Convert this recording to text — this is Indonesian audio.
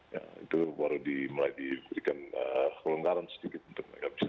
ya itu baru diberikan kelengkaran sedikit untuk mereka bisa